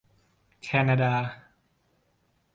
แคนาดา